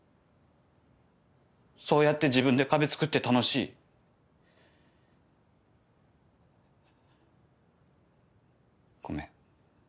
そうやって自分で壁つくって楽しい？ごめん。